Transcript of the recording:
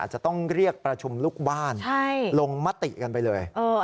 จะต้องเรียกประชุมลูกบ้านลงมติกันไปเลย